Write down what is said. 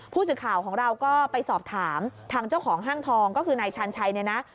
ผู้สื่อข่าวของเราก็ไปสอบถามทางเจ้าของห้างทองก็คือนายชาญชัยเนี่ยนะ